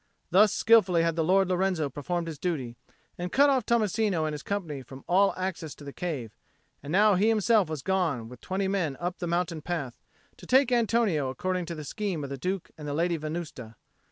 Thus skilfully had the Lord Lorenzo performed his duty, and cut off Tommasino and his company from all access to the cave; and now he himself was gone with twenty men up the mountain path, to take Antonio according to the scheme of the Duke and the Lady Venusta.